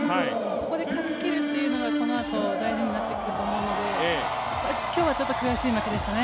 ここで勝ちきるというのがこのあと大事になってくると思うので、今日はちょっと悔しい負けでしたね。